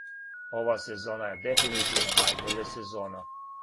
Ова сезона је дефинитивно најбоља сезона.